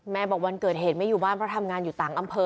บอกวันเกิดเหตุไม่อยู่บ้านเพราะทำงานอยู่ต่างอำเภอ